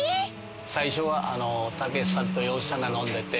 最初はたけしさんと洋七さんが飲んでて。